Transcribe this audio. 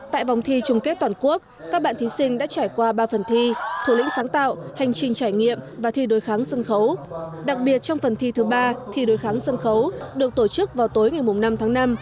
tại vòng thi trung kết toàn quốc các bạn thí sinh đã trải qua ba phần thi thủ lĩnh sáng tạo hành trình trải nghiệm và thi đối kháng sân khấu đặc biệt trong phần thi thứ ba thi đối kháng sân khấu được tổ chức vào tối ngày năm tháng năm